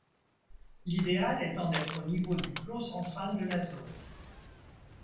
L'idéal étant d'être au niveau du plot central de la zone.